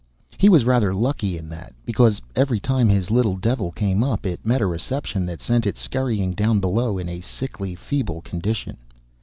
He was rather lucky in that, because every time his little devil came up it met a reception that sent it scurrying down below in a sickly, feeble condition.